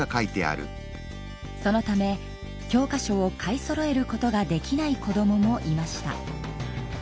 そのため教科書を買いそろえることができない子どももいました。